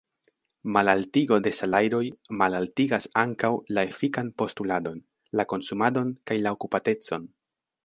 Malaltigo de salajroj malaltigas ankaŭ la efikan postuladon, la konsumadon kaj la okupatecon.